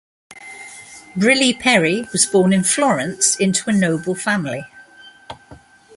Brilli-Peri was born in Florence into a noble family.